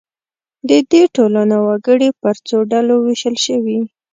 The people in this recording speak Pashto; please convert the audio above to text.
د دې ټولنو وګړي پر څو ډلو وېشل شوي.